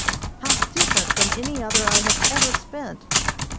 How different from any other I have ever spent.